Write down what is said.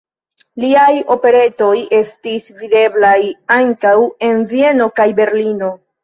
Liaj operetoj estis videblaj ankaŭ en Vieno kaj Berlino.